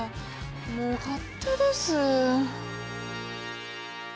もう勝手です。